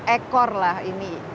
ekor lah ini